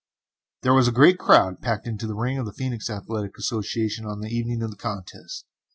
II. There was a great crowd packed into the ring of the Phœnix Athletic Association on the evening of the contest.